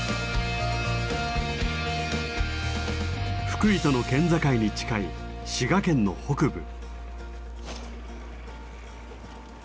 福井との県境に近い滋賀県の北部。